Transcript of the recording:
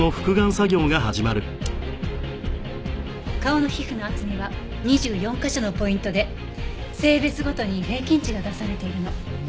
顔の皮膚の厚みは２４カ所のポイントで性別ごとに平均値が出されているの。